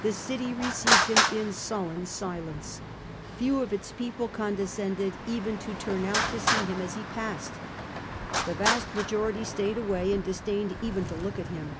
The city received him in sullen silence. Few of its people condescended even to turn 1840. DOST MAHOMED'S SURRENDER. 237 out to see him as he passed. The vast majority stayed away and disdained even to look at him.